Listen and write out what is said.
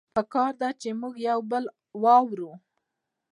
پکار ده چې مونږه يو بل واورو